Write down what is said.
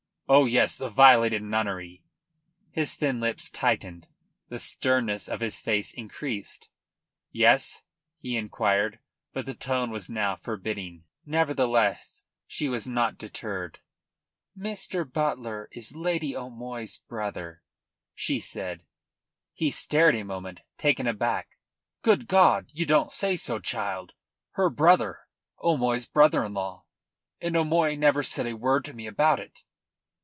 "Oh yes, the violated nunnery." His thin lips tightened; the sternness of his ace increased. "Yes?" he inquired, but the tone was now forbidding. Nevertheless she was not deterred. "Mr. Butler is Lady O'Moy's brother," she said. He stared a moment, taken aback. "Good God! Ye don't say so, child! Her brother! O'Moy's brother in law! And O'Moy never said a word to me about it.